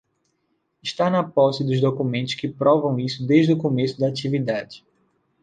Estar na posse dos documentos que provam isso desde o começo da atividade.